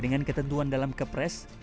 dengan ketentuan dalam kepres